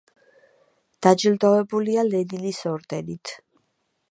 დაჯილდოვებულია ლენინის ორდენით.